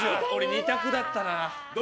２択だったな。